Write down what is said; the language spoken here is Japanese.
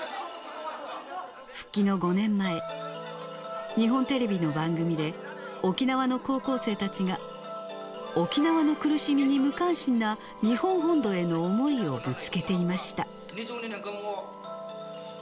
復帰の５年前、日本テレビの番組で、沖縄の高校生たちが、沖縄の苦しみに無関心な日本本土への思いをぶつけていました。